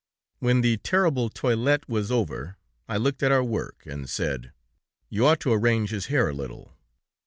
When the terrible toilet was over, I looked at our work, and said: 'You ought to arrange his hair a little.'